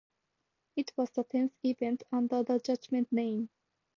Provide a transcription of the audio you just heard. It was the tenth event under the Judgement name.